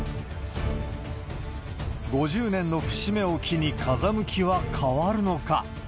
５０年の節目を機に風向きは変わるのか。